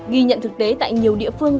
ghi nhận thực tế tại nhiều địa phương